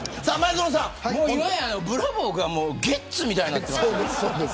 今やブラボーがゲッツみたいになってます。